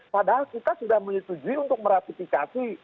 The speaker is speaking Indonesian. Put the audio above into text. padahal kita sudah menyetujui untuk meratifikasi